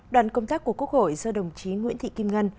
đoàn công tác của quốc hội do đồng chí nguyễn thị kim ngân